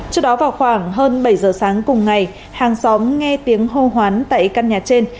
trước đó vào khoảng hơn bảy giờ sáng cùng ngày hàng xóm nghe tiếng hô hoán tại căn nhà trên